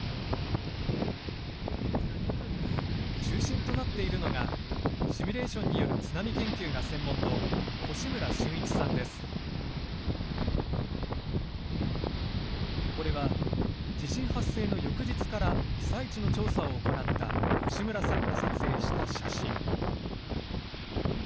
中心となっているのがシミュレーションによる津波研究が専門のこれは地震発生の翌日から被災地の調査を行った越村さんが撮影した写真。